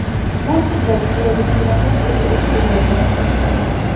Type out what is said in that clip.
მასპინძლები კიევის „დინამოს“ უპირისპირდებიან.